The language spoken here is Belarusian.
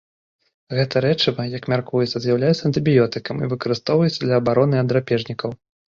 Гэта рэчыва, як мяркуецца, з'яўляецца антыбіётыкам і выкарыстоўваецца для абароны ад драпежнікаў.